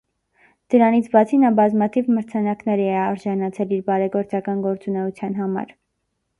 Դրանից բացի նա բազմաթիվ մրցանակների է արժանացել իր բարեգործական գործունեության համար։